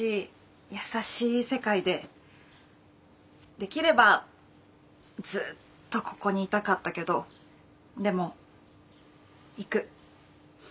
できればずっとここにいたかったけどでも行く。